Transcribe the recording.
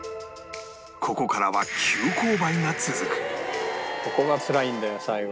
ここからは急勾配が続く